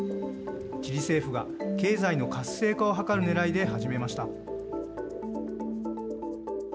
チリ政府が経済の活性化をはかる狙いで始めました。